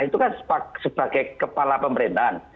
itu kan sebagai kepala pemerintahan